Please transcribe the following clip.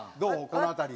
この辺り。